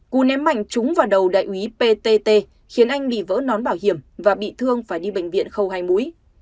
cú ném mạnh trúng vào đầu đại úy ptt khiến anh bị vỡ nón bảo hiểm và bị thương phải đi bệnh viện khâu hai mũi